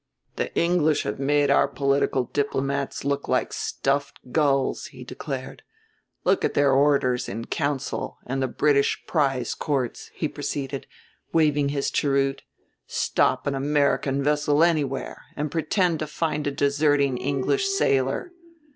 "The English have made our political diplomats look like stuffed gulls!" he declared. "Look at their Orders in Council and the British Prize Courts," he proceeded, waving his cheroot; "stop an American vessel anywhere and pretend to find a deserting English sailor.